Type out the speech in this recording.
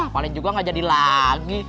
paling juga gak jadi lagi